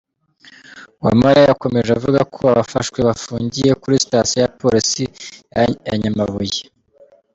Uwamariya yakomeje avuga ko abafashwe bafungiye kuri Sitasiyo ya Polisi ya Nyamabuye.